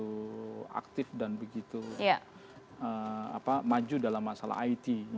begitu aktif dan begitu maju dalam masalah it